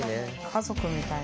家族みたいな。